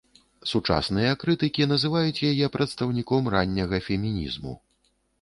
Сучасныя крытыкі называюць яе прадстаўніком ранняга фемінізму.